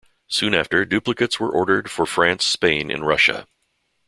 Soon after, duplicates were ordered for France, Spain and Russia.